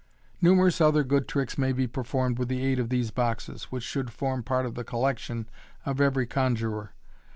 Numerous other good tricks may be performed with the aid of these boxes, which should form part of the collection of every con juror.